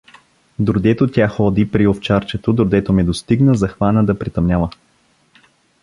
Дордето тя ходи при овчарчето, дордето ме достигна, захвана да притъмнява.